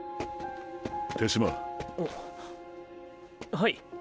はい。